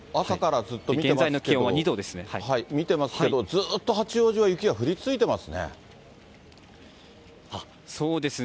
ずっと見てますけど、ずっと八王子は雪が降り続いてますね。